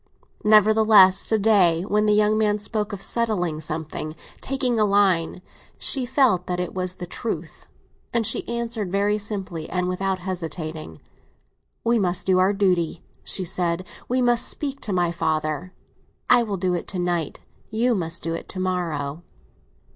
Nevertheless, to day, when the young man spoke of settling something, taking a line, she felt that it was the truth, and she answered very simply and without hesitating. "We must do our duty," she said; "we must speak to my father. I will do it to night; you must do it to morrow."